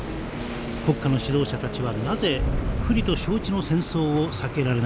国家の指導者たちはなぜ不利と承知の戦争を避けられなかったのか。